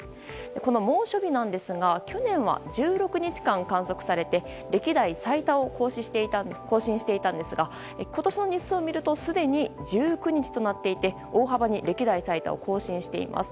この猛暑日なんですが去年は１６日間観測されて歴代最多を更新していたんですが今年の日数を見てみますとすでに１９日となっていて大幅に歴代最多を更新しています。